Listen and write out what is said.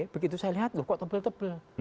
begitu saya lihat kok tebal tebal